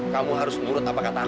kamu harus menurut apa katamu